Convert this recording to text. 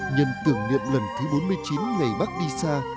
nhân tưởng niệm lần thứ bốn mươi chín ngày bác đi xa